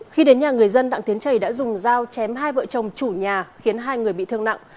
khi đến nhà người dân đặng tiến trầy đã dùng dao chém hai vợ chồng chủ nhà khiến hai người bị thương nặng